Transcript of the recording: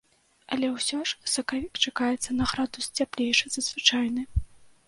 Але ўсё ж сакавік чакаецца на градус цяплейшы за звычайны.